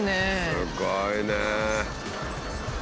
すごいね。